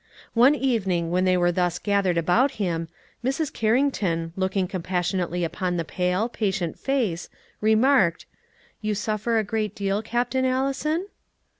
One evening when they were thus gathered about him, Mrs. Carrington, looking compassionately upon the pale, patient face, remarked, "You suffer a great deal, Captain Allison?"